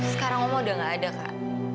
sekarang omo udah gak ada kak